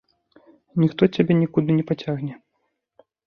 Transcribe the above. Ніхто цябе нікуды не пацягне.